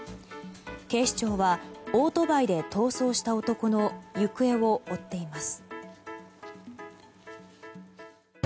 警視庁はオートバイで逃走した男の行方を追っています。